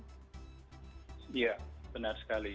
iya benar sekali